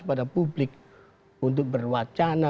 pada publik untuk berwacana